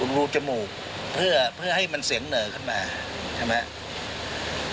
รูจมูกเพื่อให้มันเสียงเหนอขึ้นมาใช่ไหม